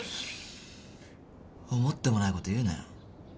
思ってもないこと言うなよ。